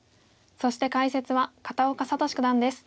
そして解説は片岡聡九段です。